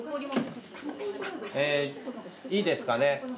えぇいいですかね。